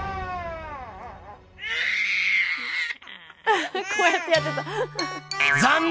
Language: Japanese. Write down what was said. あこうやってやってた。